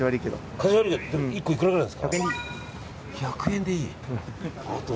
１００円でいい。